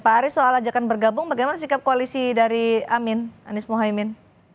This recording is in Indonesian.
pak ari soal ajakan bergabung bagaimana sikap koalisi dari amin anies mohaimin